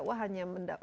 wah hanya menjual